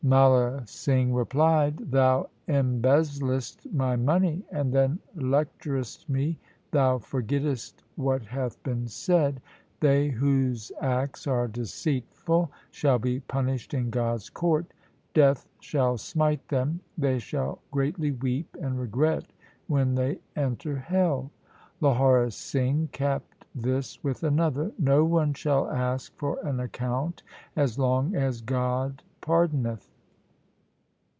Mala Singh replied, ' Thou embezzlest my money, and then lecturest me; thou forgettest what hath been said :— They whose acts are deceitful shall be punished in God's court : Death shall smite them ; they shall greatly weep and regret when they enter hell.' Lahaura Singh capped this with another :— No one shall ask for an account as long as God pardoneth.